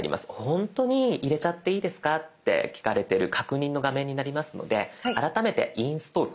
本当に入れちゃっていいですかって聞かれてる確認の画面になりますので改めて「インストール」。